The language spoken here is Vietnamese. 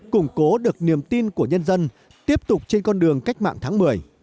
củng cố được niềm tin của nhân dân tiếp tục trên con đường cách mạng tháng một mươi